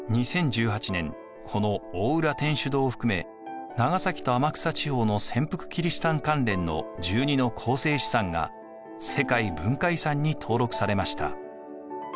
２０１８年この大浦天主堂を含め長崎と天草地方の潜伏キリシタン関連の１２の構成資産が世界文化遺産に登録されました。